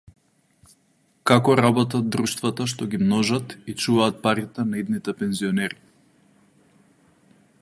Како работат друштвата што ги множат и чуваат парите на идните пензионери